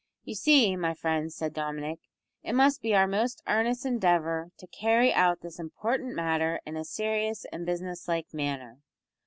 "You see, my friends," said Dominick, "it must be our most earnest endeavour to carry out this important matter in a serious and business like manner.